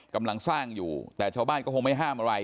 กำลังสร้างอยู่แต่ชาวบ้านก็คงไม่ห้ามอะไร